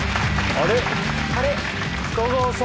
あれ？